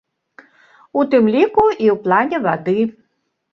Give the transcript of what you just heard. У тым ліку і ў плане вады.